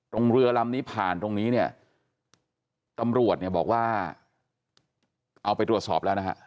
เรือลำนี้ผ่านตรงนี้เนี่ยตำรวจเนี่ยบอกว่าเอาไปตรวจสอบแล้วนะฮะ